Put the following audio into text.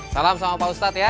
salam sama pak ustadz ya